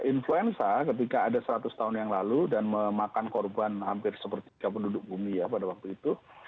influenza ketika ada seratus tahun yang lalu dan memakan korban hampir sepertiga penduduk bumi ya pada waktu itu